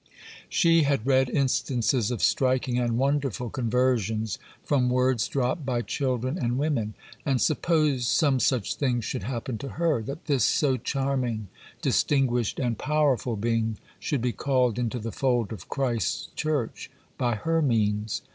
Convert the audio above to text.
She had read instances of striking and wonderful conversions from words dropped by children and women; and suppose some such thing should happen to her, that this so charming, distinguished, and powerful being should be called into the fold of Christ's church by her means!